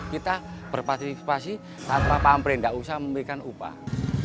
kita berpartisipasi tanpa pamperin enggak usah memberikan upah